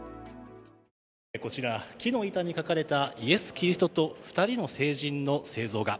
こちら、木の板に描かれたイエス・キリストと２人の聖人の聖像画。